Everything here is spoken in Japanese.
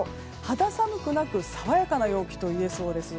肌寒くなくさわやかな陽気と言えそうです。